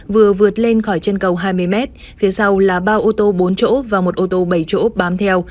vừa vượt lên khỏi chân cầu hai mươi m phía sau là ba ô tô bốn chỗ và một ô tô bảy chỗ bám theo